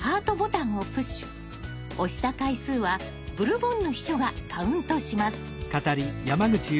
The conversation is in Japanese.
押した回数はブルボンヌ秘書がカウントします。